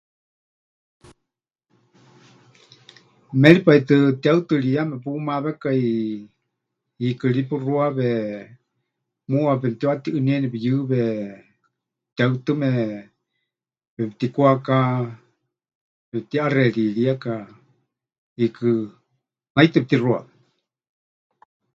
Méripai tɨ tihaɨtɨriyaame pumawekai, hiikɨ ri pɨxuawe, muuwa pemɨtiʼatiʼɨnieni pɨyɨwe, tihaɨtɨme pemɨtikwaká, pepɨtiʼaxeeriríeka, hiikɨ naitɨ pɨtixuawe.